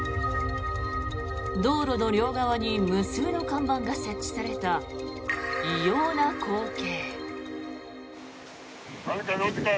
道路の両側に無数の看板が設置された異様な光景。